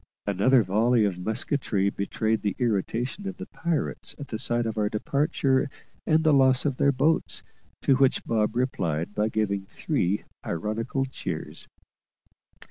Another volley of musketry betrayed the irritation of the pirates at the sight of our departure and the loss of their boats, to which Bob replied by giving three ironical cheers.